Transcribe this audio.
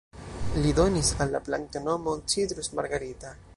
Li donis al la planto la nomon "Citrus margarita".